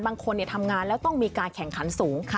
บางคนทำงานแล้วต้องมีการแข่งขันสูง